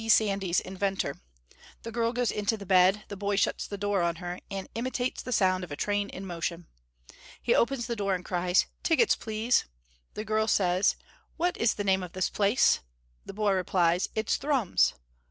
Sandys, inventor. The girl goes into the bed, the boy shuts the door on her, and imitates the sound of a train in motion. He opens the door and cries, "Tickets, please." The girl says, "What is the name of this place?" The boy replies, "It's Thrums!"